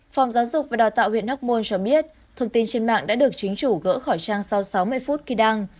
phòng giáo dục và đào tạo huyện hóc môn cho biết thông tin trên mạng đã được chính chủ gỡ khẩu trang sau sáu mươi phút khi đăng